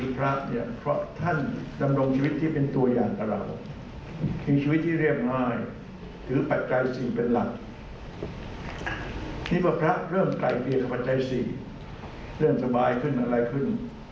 แต่ตอนล่างเมื่อเราเปิดประเทศนับถือฝรั่งมากขึ้น